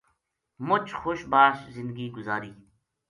مچ خوش باش زندگی گزاری